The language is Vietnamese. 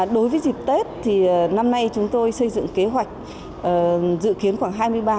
đối với dịp tết năm nay chúng tôi xây dựng kế hoạch dự kiến khoảng hai mươi ba năm trăm linh